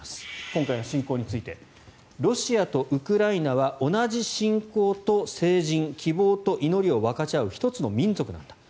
今回の侵攻についてロシアとウクライナは同じ信仰と聖人希望と祈りを分かち合う１つの民族なんだと。